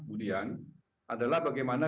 udian adalah bagaimana